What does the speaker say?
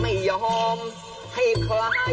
นี่ไงนักรบจะมาฝึกรบ